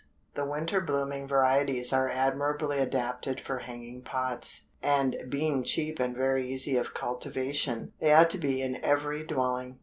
The winter blooming varieties are admirably adapted for hanging pots, and being cheap and very easy of cultivation, they ought to be in every dwelling.